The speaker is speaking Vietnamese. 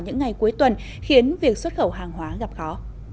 những ngày cuối tuần khiến việc xuất khẩu hàng hóa gặp khó